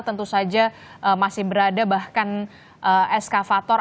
tentu saja masih berada bahkan eskavator